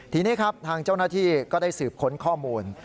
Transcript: ทีนี้ครับทางเจ้าหน้าที่ก็ได้สืบค้นข้อมูล